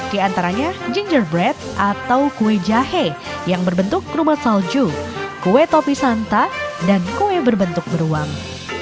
di antaranya ginger bread atau kue jahe yang berbentuk rumat salju kue topi santa dan kue berbentuk beruang